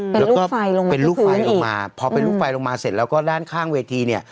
แล้วก็ไฟลงมาเป็นลูกไฟออกมาพอเป็นลูกไฟลงมาเสร็จแล้วก็ด้านข้างเวทีเนี่ย